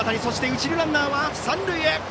一塁ランナーは三塁へ。